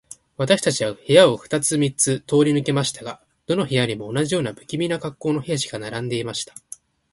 私たちは部屋を二つ三つ通り抜けましたが、どの部屋にも、同じような無気味な恰好の兵士が並んでいました。